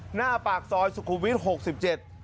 หน้าปากซอยสุขวิท๖๗